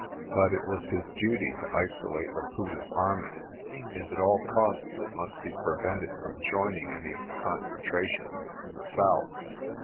But it was his duty to isolate Laputa's army, and at all costs it must be prevented from joining any of the concentrations in the south.